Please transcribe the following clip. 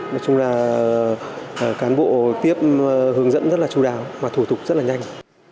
nói chung là cán bộ tiếp hướng dẫn rất là chú đáo và thủ tục rất là nhanh